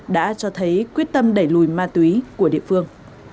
đã cho thấy quyết tâm đẩy lùi ma túy của địa phương